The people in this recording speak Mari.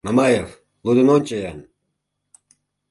— Мамаев, лудын ончо-ян...